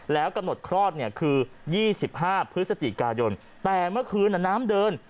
แล้วกำหนดคลอดเนี่ยคือ๒๕พฤศจิกายนแต่เมื่อคืนน้ำเดิน